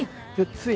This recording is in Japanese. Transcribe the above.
つい？